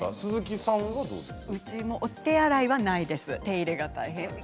うちもお手洗いはないです、お手入れが大変で。